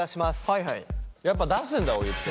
やっぱ出すんだお湯って。